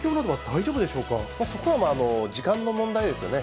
そこは時間の問題ですよね。